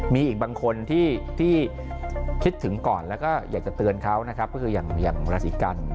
มีอีกบางคนที่คิดถึงก่อนแล้วก็อยากจะเตือนเขานะครับก็คืออย่างราศีกัน